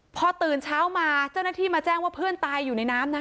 พอตื่นเช้ามาเจ้าหน้าที่มาแจ้งว่าเพื่อนตายอยู่ในน้ำนะคะ